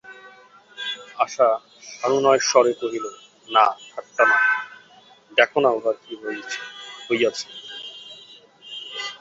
আশা সানুনয়স্বরে কহিল, না, ঠাট্টা নয়, দেখো-না উহার কী হইয়াছে।